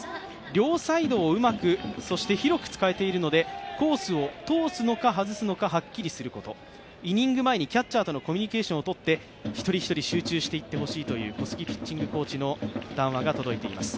両サイドをうまく、そして広く使えているので、コースを通すのか外すのかはっきりすること、イニング前にキャッチャーとのコミュニケーションをとって、一人一人集中してほしいという小杉ピッチングコーチの談話も届いています。